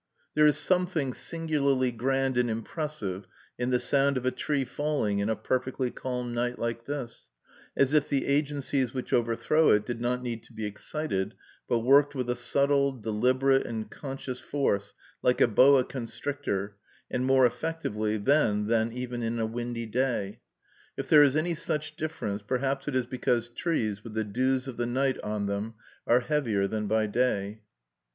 There is something singularly grand and impressive in the sound of a tree falling in a perfectly calm night like this, as if the agencies which overthrow it did not need to be excited, but worked with a subtle, deliberate, and conscious force, like a boa constrictor, and more effectively then than even in a windy day. If there is any such difference, perhaps it is because trees with the dews of the night on them are heavier than by day.